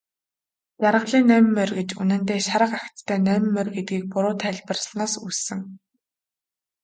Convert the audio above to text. Жаргалын найман морь гэж үнэндээ шарга агттай найман морь гэдгийг буруу тайлбарласнаас үүссэн.